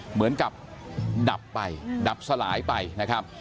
เหมือนกับดับไปดับสลายไปนะครับ